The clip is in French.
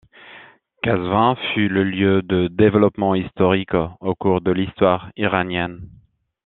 Qazvin fut le lieu de développements historiques au cours de l'histoire iranienne.